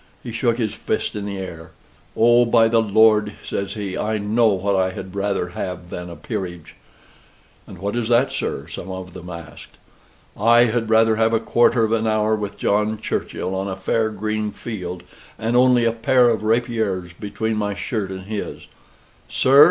He shook his fist in the air. "Oh, by the Lord!" says he, "I know what I had rather have than a peerage!" "And what is that, sir?" some of them asked. "I had rather have a quarter of an hour with John Churchill, on a fair green field, and only a pair of rapiers between my shirt and his " "Sir!"